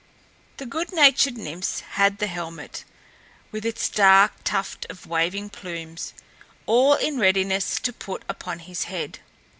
The good natured Nymphs had the helmet, with its dark tuft of waving plumes, all in readiness to put upon his head.